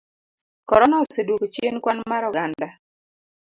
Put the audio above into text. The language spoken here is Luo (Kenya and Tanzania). Korona oseduoko chien kwan mar oganda.